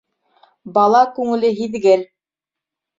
Бала күңеле һиҙгер.